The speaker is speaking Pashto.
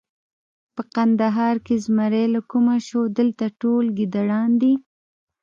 په کندهار کې زمری له کومه شو! دلته ټول ګیدړان دي.